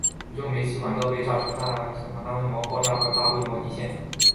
最终煤气管道被炸造成现场大规模爆炸和大规模地陷。